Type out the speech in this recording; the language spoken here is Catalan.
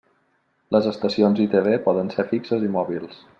Les estacions ITV poden ser fixes i mòbils.